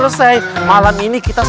gak ada ya maafin kita